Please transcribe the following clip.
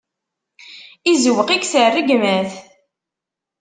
Izewweq-ik, s rregmat.